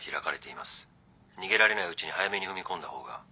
逃げられないうちに早めに踏み込んだ方が。